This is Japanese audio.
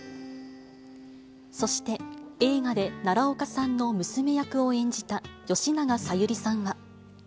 そして、映画で奈良岡さんの娘役を演じた吉永小百合さんは。